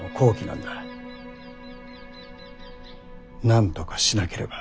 なんとかしなければ。